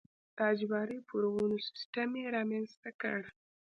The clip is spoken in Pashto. د اجباري پورونو سیستم یې رامنځته کړ.